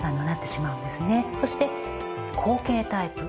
そして後傾タイプ。